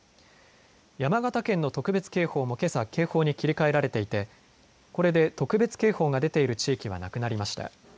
山形県の特別警報もけさ警報に切り替えられていてこれで特別警報が出ている地域はなくなりました。